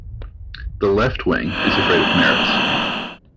The left wing is afraid of Meretz.